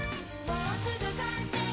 もうすぐかんせい！」